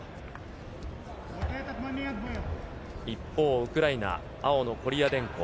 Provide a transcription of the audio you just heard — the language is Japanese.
一方、ウクライナ、青のコリアデンコ。